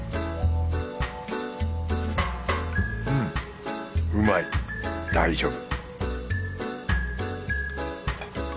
うんうまい大丈夫